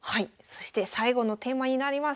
そして最後のテーマになります。